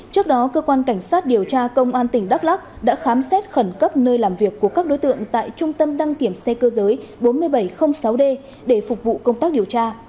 trước đó cơ quan cảnh sát điều tra công an tỉnh đắk lắc đã khám xét khẩn cấp nơi làm việc của các đối tượng tại trung tâm đăng kiểm xe cơ giới bốn nghìn bảy trăm linh sáu d để phục vụ công tác điều tra